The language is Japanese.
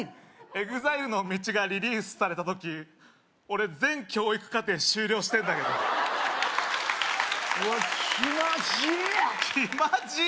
ＥＸＩＬＥの「道」がリリースされた時俺全教育課程終了してんだけどわっ気まじぃ！